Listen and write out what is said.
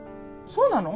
そうなの？